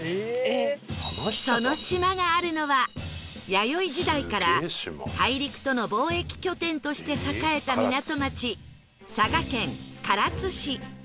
その島があるのは弥生時代から大陸との貿易拠点として栄えた港町佐賀県唐津市